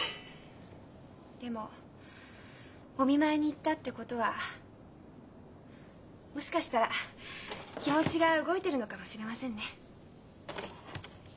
でもお見舞いに行ったってことはもしかしたら気持ちが動いてるのかもしれませんね。